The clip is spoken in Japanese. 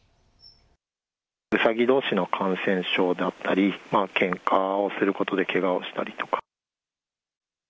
ウサギどうしの感染症だったり、けんかをすることでけがをしたりとか。